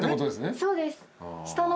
そうです。